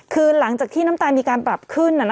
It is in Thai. คือหลังจากที่น้ำตาลมีการปรับขึ้น